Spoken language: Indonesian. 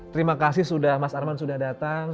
terima kasih sudah mas arman sudah datang